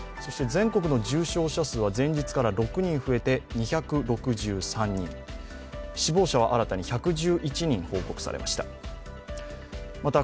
全国の重症者数は前日から６人増えて２６３人、死亡者は新たに１１１人報告されました。